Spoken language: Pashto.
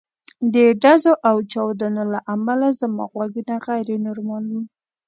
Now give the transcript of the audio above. د ډزو او چاودنو له امله زما غوږونه غیر نورمال وو